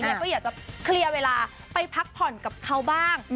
แล้วก็อยากจะเคลียร์เวลาไปพักผ่อนกับเขาบ้าง